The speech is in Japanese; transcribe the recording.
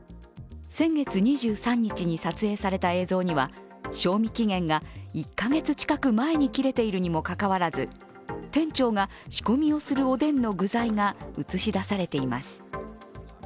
先月２３日に撮影された映像には賞味期限が１カ月近く前に切れているにもかかわらず、店長が仕込みをするおでんの具材が映し出されています。